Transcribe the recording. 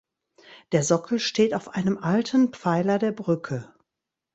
Der Sockel steht auf einem alten Pfeiler der Brücke.